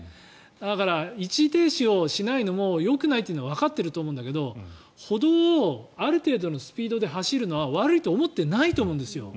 だから、一時停止をしないのもよくないというのはわかっていると思うんだけど歩道をある程度のスピードで走るのは悪いと思ってないと思うんですよ。